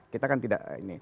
kita kan tidak